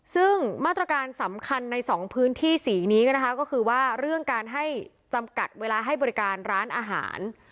ซึ่งมาตรการสำคัญในสองพื้นที่สีนี้นะคะก็คือว่าเรื่องการให้จำกัดเวลาให้บริการร้านอาหาร